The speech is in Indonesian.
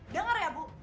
dengar ya bu